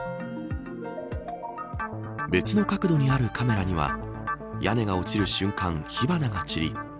別の角度にあるカメラには屋根が落ちる瞬間、火花が散り